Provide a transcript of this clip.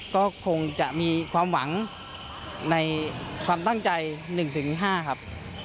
ก็คงจะมีความหวังในความตั้งใจ๑๕ครับ